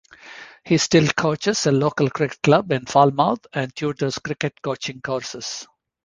He still coaches a local cricket club in Falmouth and tutors cricket coaching courses.